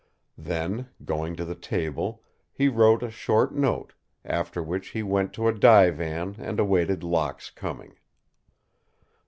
Then, going to the table, he wrote a short note, after which he went to a divan and awaited Locke's coming.